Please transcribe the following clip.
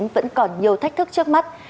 vẫn còn nhiều thách thức trước mắt